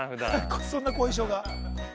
◆そんな後遺症が。